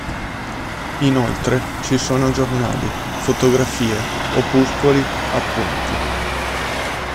Inoltre, ci sono giornali, fotografie, opuscoli, appunti.